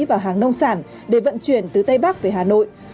và hàng nông sản để vận chuyển từ tây bắc về hà nội